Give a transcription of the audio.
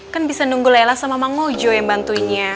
kan bisa nunggu layla sama mang ujo yang bantuinnya